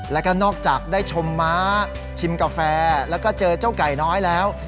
แล้วก็นอกจากได้ชมม้าชิมกาแฟแล้วก็เจอเจ้าไก่น้อยแล้ว